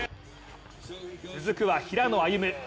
続くは平野歩夢。